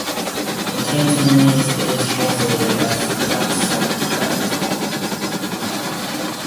In Cantonese, it is translated as "yan sum gai tong".